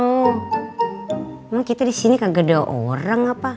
emang kita disini kagak ada orang apa